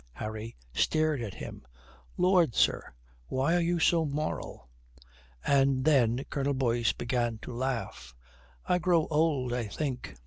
Harry stared at him. "Lord, sir, why are you so moral?" And then Colonel Boyce began to laugh. "I grow old, I think.